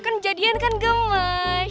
kan jadian kan gemes